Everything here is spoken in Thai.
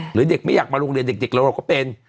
หรือเด็กไม่อยากมาโรงเรียนเด็กแล้วเราก็เป็น